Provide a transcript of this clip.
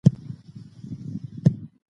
د عامه افکارو درناوی کول د حکومتونو دنده ده.